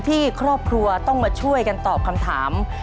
ที่ครอบครัวต้องมาช่วยกันตอบคำถาม